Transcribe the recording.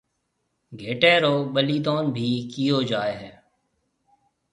گھيَََٽَي رو ٻَليدون ڀِي ڪيو جائي هيَ۔